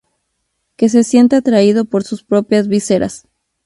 Que se sienta atraído por sus propias vísceras"".